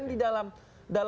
di mana mais jauh